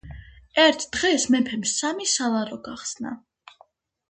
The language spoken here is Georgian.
ერთ დღეს მეფემ სამი სალარო გახსნა,